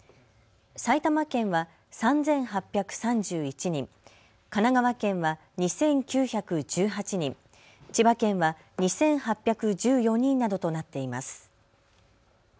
埼玉県は３８３１人、神奈川県は２９１８人、千葉県は２８１４人などとなっています。